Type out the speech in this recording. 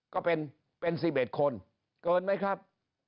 ก็เป็น๑๑คนเกินไหมครับ